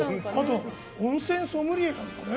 温泉ソムリエなんだね。